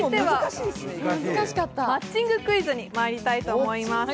マッチングクイズにまいりたいと思います。